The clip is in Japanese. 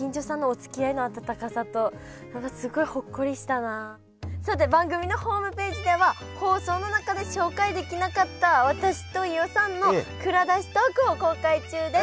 何かさて番組のホームページでは放送の中で紹介できなかった私と飯尾さんの蔵出しトークを公開中です。